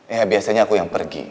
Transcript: ya biasanya aku yang pergi